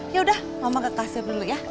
yaudah mama kekasih dulu ya